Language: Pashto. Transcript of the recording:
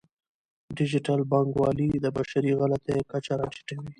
ډیجیټل بانکوالي د بشري غلطیو کچه راټیټوي.